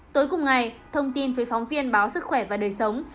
tối cùng ngày thông tin với phóng viên báo sức khỏe và đời sống